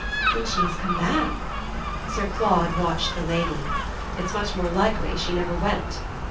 "Then she has come back." Sir Claude watched the lady. "It's much more likely she never went!"